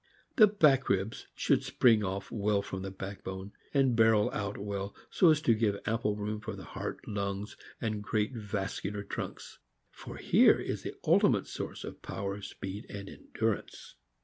The back ribs should spring off well from the backbone, and barrel out well, so as to give ample room for the heart, lungs, and great vascular trunks; for here is the ultimate source of power, speed, and endurance.